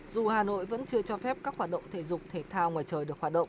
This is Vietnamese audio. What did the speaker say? dù hà nội vẫn chưa cho phép các hoạt động thể dục thể thao ngoài trời được hoạt động